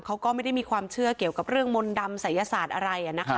เขาก็ไม่ได้มีความเชื่อเกี่ยวกับเรื่องมนต์ดำศัยศาสตร์อะไร